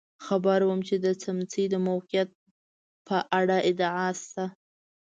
خبر وم چې د څمڅې د موقعیت په اړه ادعا شته.